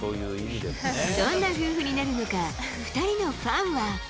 どんな夫婦になるのか、２人のファンは。